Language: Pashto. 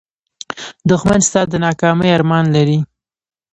دښمن ستا د ناکامۍ ارمان لري